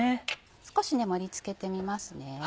少し盛り付けてみますね。